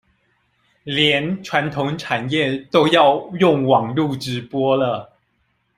連傳統產業都要用網路直播了